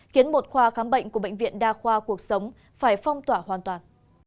khiến một khoa khám bệnh của bệnh viện đa khoa cuộc sống phải phong tỏa hoàn toàn